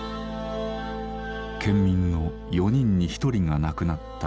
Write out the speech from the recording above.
県民の４人に１人が亡くなった沖縄。